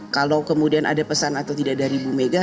kalau kemudian ada pesan atau tidak dari bu mega